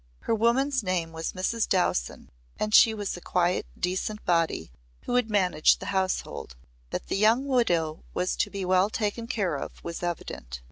Her woman's name was Mrs. Dowson and she was a quiet decent body who would manage the household. That the young widow was to be well taken care of was evident.